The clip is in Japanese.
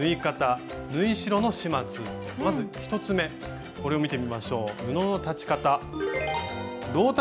まず１つめこれを見てみましょう。